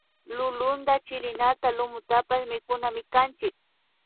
Lulunta chilinata lumutapash mikunamikanchik